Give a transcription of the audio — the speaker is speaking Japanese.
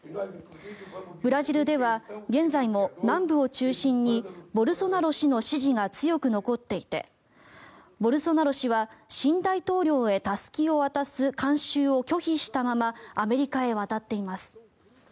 ブラジルでは現在も南部を中心にボルソナロ氏の支持が強く残っていてボルソナロ氏は新大統領へたすきを渡す慣習を拒否したままアメリカへ渡っています。